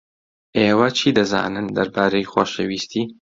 ئێوە چی دەزانن دەربارەی خۆشەویستی؟